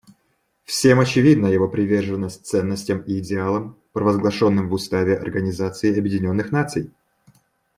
Всем очевидна его приверженность ценностям и идеалам, провозглашенным в Уставе Организации Объединенных Наций.